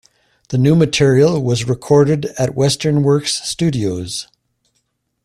The new material was recorded at Western Works studios.